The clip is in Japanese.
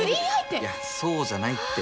いやそうじゃないって。